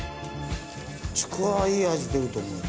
ちくわはいい味出ると思う。